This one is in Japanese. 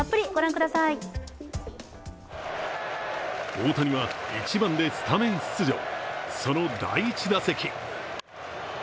大谷は１番でスタメン出場、その第１打席。